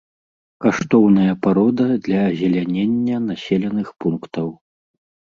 Каштоўная парода для азелянення населеных пунктаў.